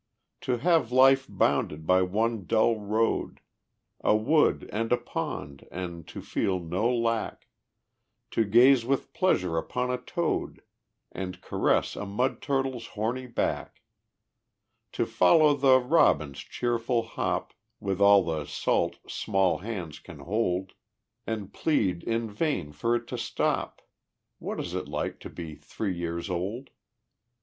To have life bounded by one dull road, A wood and a pond, and to feel no lack, To gaze with pleasure upon a toad, And caress a mud turtle's horny back? To follow the robin's cheerful hop With all the salt small hands can hold, And plead in vain for it to stop What is it like to be three years old?